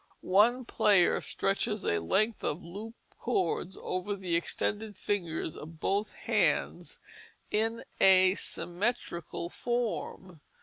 One player stretches a length of looped cords over the extended fingers of both hands in a symmetrical form.